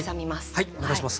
はいお願いします。